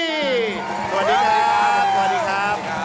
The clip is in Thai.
สวัสดีครับสวัสดีครับ